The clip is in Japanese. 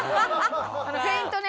あのフェイントね。